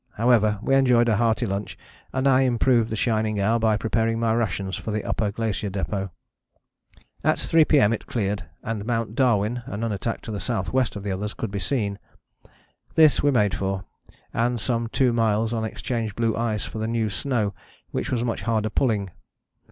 However, we enjoyed a hearty lunch, and I improved the shining hour by preparing my rations for the Upper Glacier Depôt. "At 3 P.M. it cleared, and Mount Darwin, a nunatak to the S.W. of the others, could be seen. This we made for, and some two miles on exchanged blue ice for the new snow which was much harder pulling.